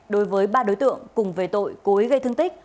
đối với ba đối tượng cùng về tội cố ý gây thương tích